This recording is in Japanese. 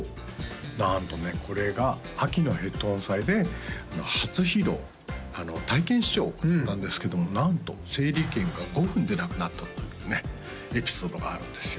なんとねこれが秋のヘッドフォン祭で初披露体験試聴を行ったんですけどもなんと整理券が５分でなくなったというねエピソードがあるんですよ